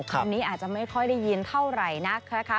คำนี้อาจจะไม่ค่อยได้ยินเท่าไหร่นักนะคะ